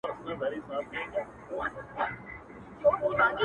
څوک چي له گلاب سره ياري کوي.